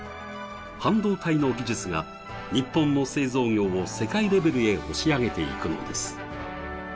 半導体の技術が日本の製造業を世界レベルへ押し上げていくのです。